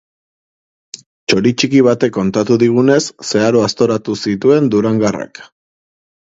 Txori txiki batek kontatu digunez, zeharo aztoratu zituen durangarrak!